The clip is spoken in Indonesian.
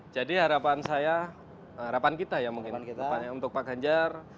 jadi harapan saya harapan kita ya mungkin untuk pak ganjar